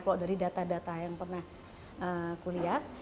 kalau dari data data yang pernah kuliah